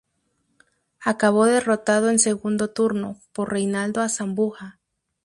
Acabó derrotado en segundo turno, por Reinaldo Azambuja.